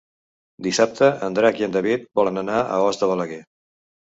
Dissabte en Drac i en David volen anar a Os de Balaguer.